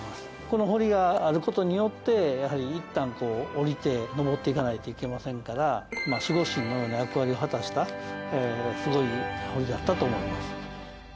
この堀がある事によってやはり、いったん降りて登っていかないといけませんから守護神のような役割を果たしたすごい堀だったと思います。